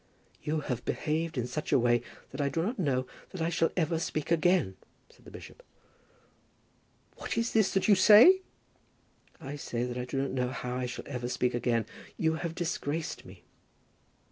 "You have behaved in such a way that I do not know that I shall ever speak again," said the bishop. "What is this that you say?" "I say that I do not know how I shall ever speak again. You have disgraced me."